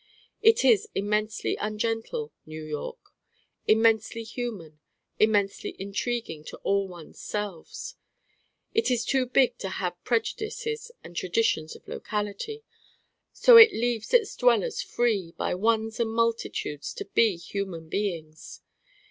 It is immensely ungentle, New York: immensely human: immensely intriguing to all one's selves. It is too big to have prejudices and traditions of locality: so it leaves its dwellers free, by ones and multitudes, to be human beings.